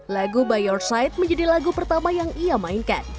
lagu by your side menjadi lagu pertama yang ia mainkan